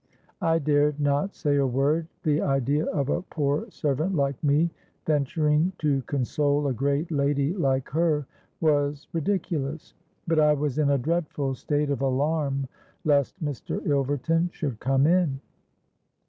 I dared not say a word: the idea of a poor servant like me venturing to console a great lady like her was ridiculous. But I was in a dreadful state of alarm lest Mr. Ilverton should come in.